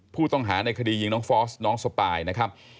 ผู้ต้องหาในคดียิงน้องฟอสน้องสปายนะครับ